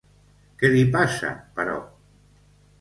Què li passa, però?